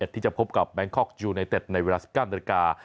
ที่จะพบกับแบงคอกยูไนเต็ดในเวลา๑๙นาฬิกา